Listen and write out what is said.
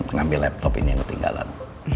pengambil laptop ini yang ketinggalan